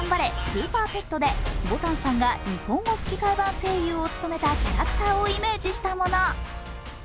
スーパーペット」でぼたんさんが日本語吹き替え版声優を務めたキャラクターをイメージしたもの。